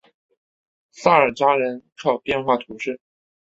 萨尔扎人口变化图示